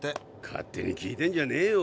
勝手に聞いてんじゃねえよ